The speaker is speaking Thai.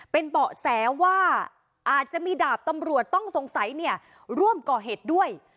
เป็นเบาะแสว่าอาจจะมีดาบตำรวจต้องสงสัยเนี่ยร่วมก่อเหตุด้วย